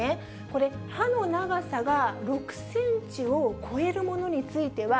これ、刃の長さが６センチを超えるものについては、